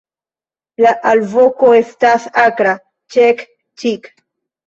La alvoko estas akra "ĉek-ĉik".